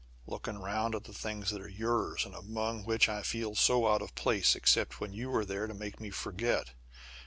Looking round at the things that are yours, and among which I feel so out of place, except when you are there to make me forget.